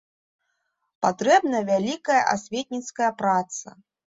Патрэбна вялікая асветніцкая праца.